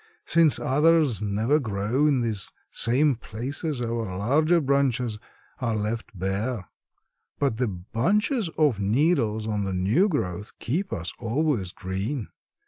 Since others never grow in these same places our larger branches are left bare; but the bunches of needles on the new growth keep us always green.